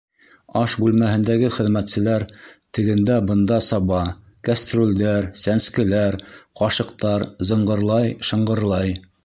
Аш бүлмәһендәге хеҙмәтселәр тегендә бында саба, кәстрүлдәр, сәнскеләр, ҡашыҡтар зыңғырлай-шыңғырлай...